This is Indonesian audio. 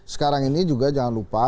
sekarang ini juga jangan lupa